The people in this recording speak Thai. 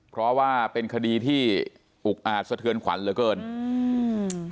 เพราะว่าเป็นคดีที่อุกอาจสะเทือนขวัญเหลือเกินอืม